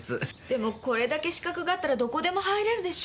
でもこれだけ資格があったらどこでも入れるでしょう